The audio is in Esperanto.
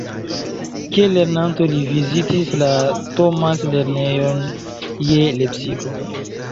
Kiel lernanto li vizitis la Thomas-lernejon je Lepsiko.